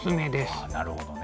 あなるほどね。